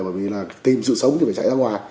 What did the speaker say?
bởi vì là tìm sự sống thì phải chạy